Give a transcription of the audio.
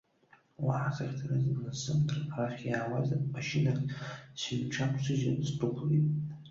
Уаҳа сахьцарыз ансзымдыр, арахь иаауаз машьынак сыҽҩақәсыжьын сдәықәлеит.